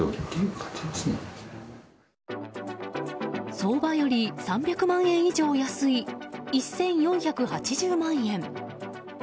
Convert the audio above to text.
相場より３００万円以上安い１４８０万円。